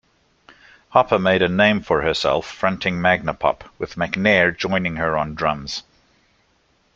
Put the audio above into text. Hopper made a name for herself fronting Magnapop, with McNair joining her on drums.